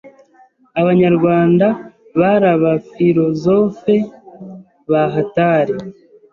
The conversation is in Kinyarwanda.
abanyarwanda bari abafirozofe bahatari